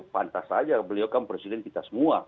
pantas saja beliukah presiden kita semua